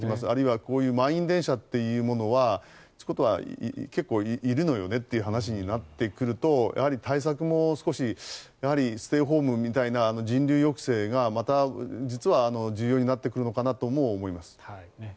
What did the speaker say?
あるいはこういう満員電車というものは結構、いるのよねという話になってくるとやはり対策も少しステイホームみたいな人流抑制がまた実は重要になってくるのかなとも思います。